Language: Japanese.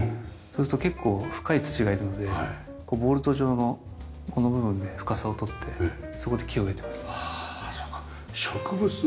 そうすると結構深い土がいるのでボールト状のこの部分で深さを取ってそこで木を植えてます。